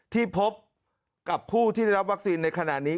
ที่พบกับผู้ที่ได้รับวัคซีนในขณะนี้